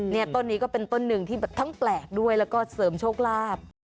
ต้นนี้ก็เป็นต้นหนึ่งที่แบบทั้งแปลกด้วยแล้วก็เสริมโชคลาภ